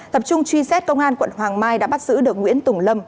tập trung truy xét công an quận hoàng mai đã bắt giữ được nguyễn tùng lâm